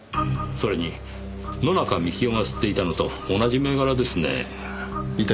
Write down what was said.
それに野中樹生が吸っていたのと同じ銘柄ですね。